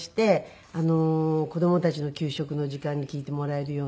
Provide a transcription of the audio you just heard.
子供たちの給食の時間に聞いてもらえるように。